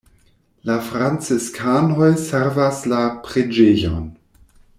La franciskanoj servas la preĝejon.